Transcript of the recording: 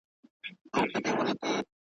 یو پل په لار کي پروت یمه پرېږدې یې او که نه ,